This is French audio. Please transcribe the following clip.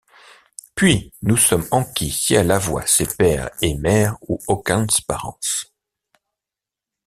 Puis nous sommes enquis si elle avoyt ses père et mère ou aulcuns parens.